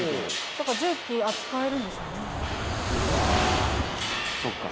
だから重機扱えるんでしょうね。